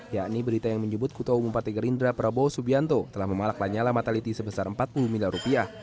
yakni berita yang menyebut ketua umum partai gerindra prabowo subianto telah memalak lanyala mataliti sebesar empat puluh miliar rupiah